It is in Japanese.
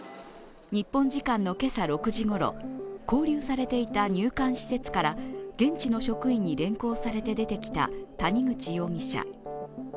日本時間の今朝６時ごろ、勾留されていた入管施設から現地の職員に連行されて出てきた谷口容疑者。